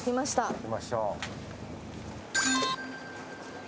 行きましょう。